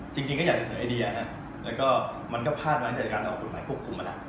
จริงก็อยากจะเสนอไอเดียแล้วก็มันก็พลาดมาตั้งแต่การออกกฎหมายควบคุมมาแล้ว